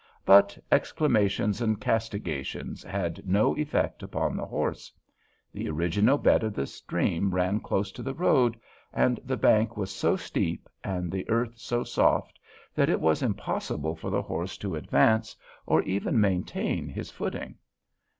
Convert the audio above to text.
But exclamations and castigations had no effect upon the horse. The original bed of the stream ran close to the road, and the bank was so steep and the earth so soft that it was impossible for the horse to advance or even maintain his footing.